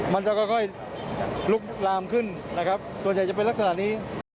มันจะค่อยลุกลามขึ้นตัวเนี่ยจะเป็นลักษณะนี้